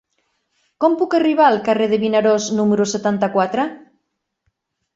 Com puc arribar al carrer de Vinaròs número setanta-quatre?